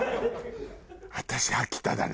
私秋田だな。